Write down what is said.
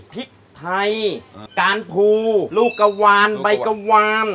พริกไทยการภูลูกกะวานใบกะวาน